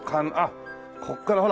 ここからほら。